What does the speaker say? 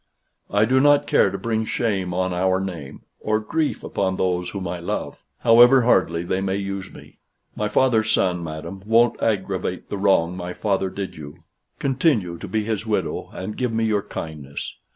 I do not care to bring shame on our name, or grief upon those whom I love, however hardly they may use me. My father's son, madam, won't aggravate the wrong my father did you. Continue to be his widow, and give me your kindness.